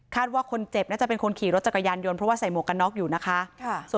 คาดว่าคนเจ็บน่าจะเป็นคนขี่รถจักรยานยนต์